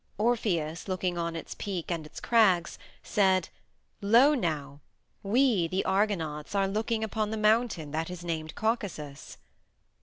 Orpheus, looking on its peak and its crags, said, "Lo, now! We, the Argonauts, are looking upon the mountain that is named Caucasus!"